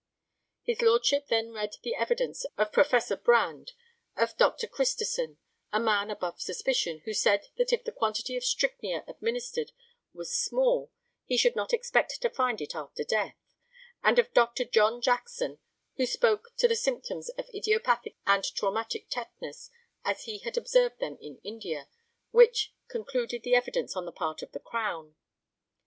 His Lordship then read the evidence of Professor Brande, of Dr. Christison, a man above suspicion, who said that if the quantity of strychnia administered was small he should not expect to find it after death, and of Dr. John Jackson, who spoke to the symptoms of idiopathic and traumatic tetanus as he had observed them in India, which, concluded the evidence on the part of the Crown.